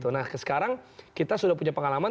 nah sekarang kita sudah punya pengalaman